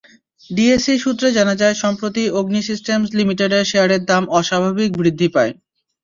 DSE সূত্রে জানা যায়, সম্প্রতি অগ্নি সিস্টেমস লিমিটেডের শেয়ারের দাম অস্বাভাবিক বৃদ্ধি পায়।